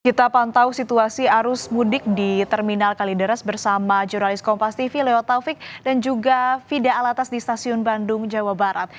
kita pantau situasi arus mudik di terminal kalideres bersama jurnalis kompas tv leotavik dan juga fida alatas di stasiun bandung jawa barat